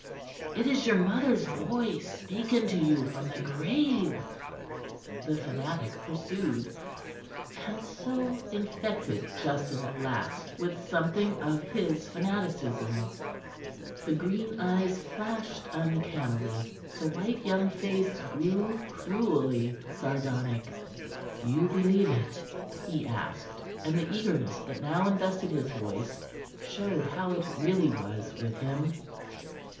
It is your mother's voice speaking to you from the grave," the fanatic pursued, and so infected Justin at last with something of his fanaticism. The green eyes flashed uncannily, the white young face grew cruelly sardonic. "You believe it?" he asked, and the eagerness that now invested his voice showed how it really was with him.